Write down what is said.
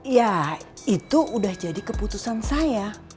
ya itu udah jadi keputusan saya